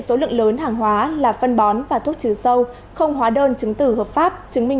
số lượng lớn hàng hóa là phân bón và thuốc trừ sâu không hóa đơn chứng tử hợp pháp chứng minh